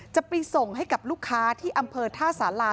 จะไปส่งให้กับลูกค้าที่อำเภอท่าสารา